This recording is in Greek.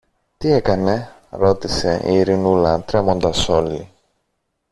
Τι έκανε; ρώτησε η Ειρηνούλα τρέμοντας όλη.